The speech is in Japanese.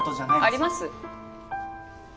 あります。